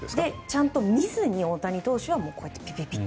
ちゃんと見ずに大谷選手はピピッと。